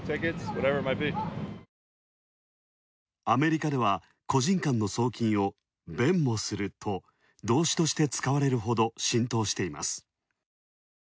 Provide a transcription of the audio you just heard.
アメリカでは個人間の送金をベンモすると、動詞として使われるほど浸透しています。